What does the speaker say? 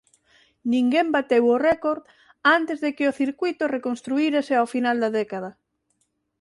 Ninguén bateu o récord antes de que o circuíto reconstruírase ao final da década.